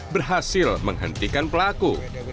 berhasil menghentikan pelaku